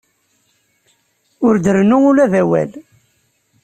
Ur d-rennu ula d awal.